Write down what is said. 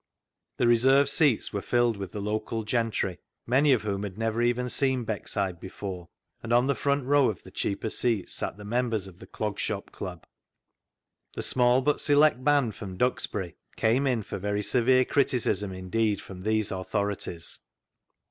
The reserved seats were filled with the local gentry, many of whom had never even seen Beckside before, and on the front row of the cheaper seats sat the members of the Clog Shop Club. The small but select band from Duxbury came in for very severe criticism indeed from these authorities.